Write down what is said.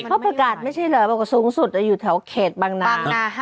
เพราะประกัดไม่ใช่เลยว่าสูงสุดจะอยู่แถวเขตบางนา